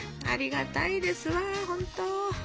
ありがたいですわほんと。